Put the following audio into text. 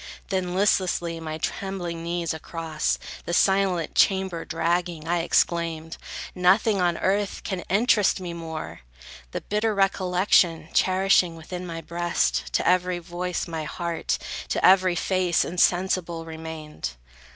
Then, listlessly, my trembling knees across The silent chamber dragging, I exclaimed, "Nothing on earth can interest me more!" The bitter recollection cherishing Within my breast, to every voice my heart, To every face, insensible remained.